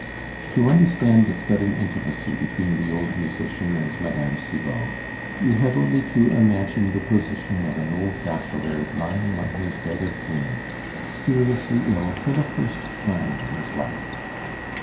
To understand the sudden intimacy between the old musician and Mme. Cibot, you have only to imagine the position of an old bachelor lying on his bed of pain, seriously ill for the first time in his life.